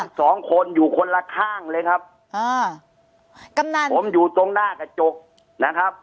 สองคนอยู่คนละข้างเลยครับอ่ากำนันผมอยู่ตรงหน้ากระจกนะครับ